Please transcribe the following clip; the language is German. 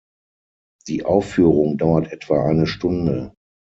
Die Aufführung dauert etwa eine Stunde.